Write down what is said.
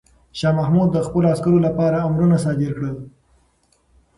شاه محمود د خپلو عسکرو لپاره امرونه صادر کړل.